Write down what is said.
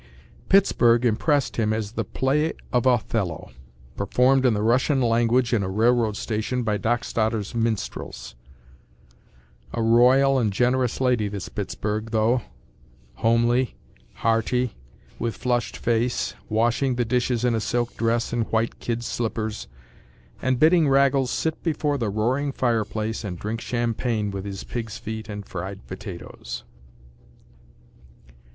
Pittsburg impressed him as the play of “Othello” performed in the Russian language in a railroad station by Dockstader’s minstrels. A royal and generous lady this Pittsburg, though—homely, hearty, with flushed face, washing the dishes in a silk dress and white kid slippers, and bidding Raggles sit before the roaring fireplace and drink champagne with his pigs’ feet and fried potatoes.